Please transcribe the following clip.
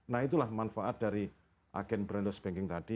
nah itulah manfaat dari agen brandes banking tadi